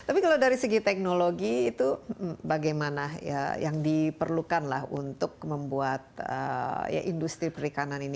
tapi kalau dari segi teknologi itu bagaimana ya yang diperlukan lah untuk membuat industri perikanan ini